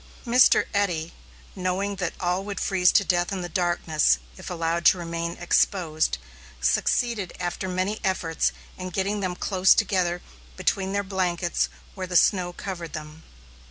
Mr. Eddy, knowing that all would freeze to death in the darkness if allowed to remain exposed, succeeded after many efforts in getting them close together between their blankets where the snow covered them.